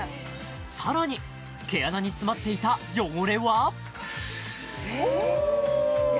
さらに毛穴に詰まっていた汚れはおお！